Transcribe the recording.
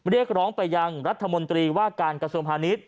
เรียกร้องไปยังรัฐมนตรีว่าการกระทรวงพาณิชย